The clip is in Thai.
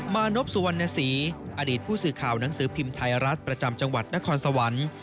มานพสุวรรณศรีอดีตผู้สื่อข่าวหนังสือพิมพ์ไทยรัฐประจำจังหวัดนครสวรรค์